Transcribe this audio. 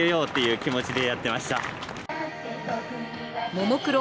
ももクロ